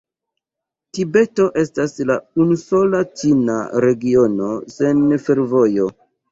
Tibeto estas la unusola ĉina regiono sen fervojo.